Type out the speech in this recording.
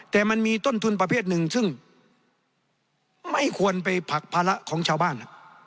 แต่มันมีต้นทุนประเภทหนึ่งซึ่งไม่ควรไปผลักภาระของชาวบ้าน